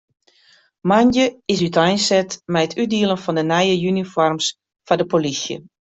Moandei is úteinset mei it útdielen fan de nije unifoarms foar de polysje.